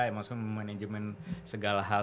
yang maksudnya memanajemen segala hal